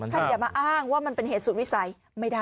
อย่ามาอ้างว่ามันเป็นเหตุสูตรวิสัยไม่ได้